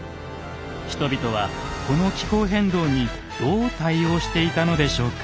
人々はこの気候変動にどう対応していたのでしょうか？